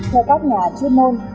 theo các nhà chuyên môn